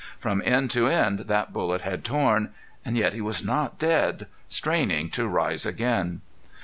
From end to end that bullet had torn! Yet he was not dead. Straining to rise again!